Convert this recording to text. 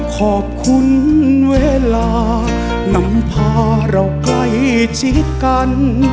ขอบคุณเวลานำพาเราใกล้ชิดกัน